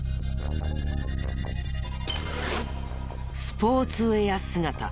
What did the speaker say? スポーツウェア姿。